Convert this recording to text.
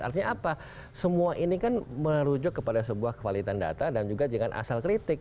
artinya apa semua ini kan merujuk kepada sebuah kevalitan data dan juga jangan asal kritik